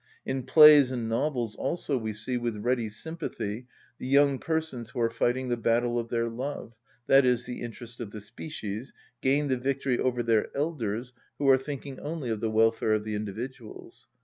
In plays and novels also we see, with ready sympathy, the young persons who are fighting the battle of their love, i.e., the interest of the species, gain the victory over their elders, who are thinking only of the welfare of the individuals.